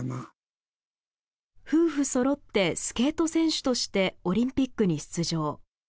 夫婦そろってスケート選手としてオリンピックに出場。